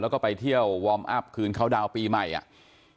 แล้วก็ไปเที่ยววอร์มอัพคืนเขาดาวน์ปีใหม่อ่ะ